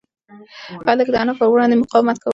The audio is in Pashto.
هلک د انا په وړاندې مقاومت کاوه.